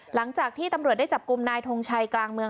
หลังจากที่ตำรวจได้จับกลุ่มนายทงชัยกลางเมือง